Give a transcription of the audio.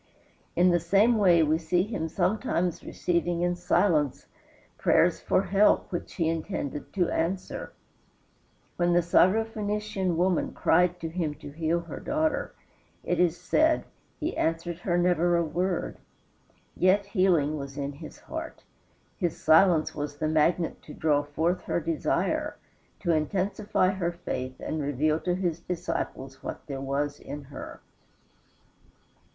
In the same way we see him sometimes receiving in silence prayers for help which he intended to answer. When the Syro Phoenician woman cried to him to heal her daughter, it is said "he answered her never a word;" yet healing was in his heart. His silence was the magnet to draw forth her desire, to intensify her faith and reveal to his disciples what there was in her.